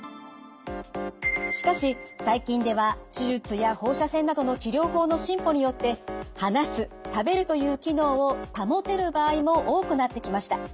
しかし最近では手術や放射線などの治療法の進歩によって話す食べるという機能を保てる場合も多くなってきました。